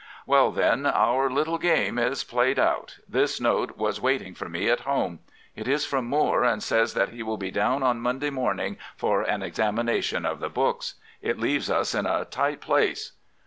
"'Well, then, our little game is played out. This note was waiting for me at home. It is from Moore, and says that he will be down on Monday morning for an examination of the books. It leaves us in a tight place.